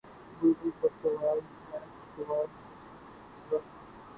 بلبل فقط آواز ہے طاؤس فقط رنگ